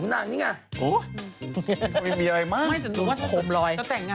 คุณเนินพวกล่อซื้อ